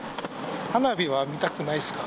花火は見たくないですか。